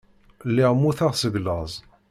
Lliɣ mmuteɣ seg laẓ.